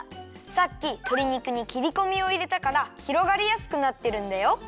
さっきとり肉にきりこみをいれたからひろがりやすくなってるんだよ。